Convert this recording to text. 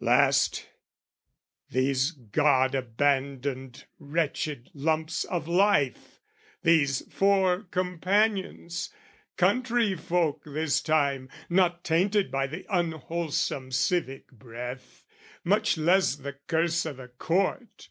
Last, These God abandoned wretched lumps of life, These four companions, country folk this time, Not tainted by the unwholesome civic breath, Much less the curse o' the court!